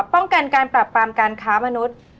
ป้องกันการปรับปรามการค้ามนุษย์